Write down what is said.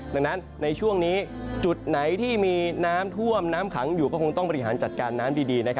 ดังนั้นในช่วงนี้จุดไหนที่มีน้ำท่วมน้ำขังอยู่ก็คงต้องบริหารจัดการน้ำดี